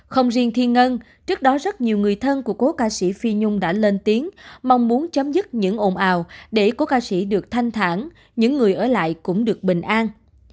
không riêng thiên ngân trước đó rất nhiều người thân của cố ca sĩ phi nhung đã lên tiếng mong muốn chấm dứt những ồn ào để cố ca sĩ được thanh thản những người ở lại cũng được bình an